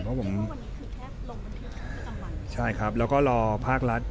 เพราะผมใช่ครับแล้วก็รอภาครัฐ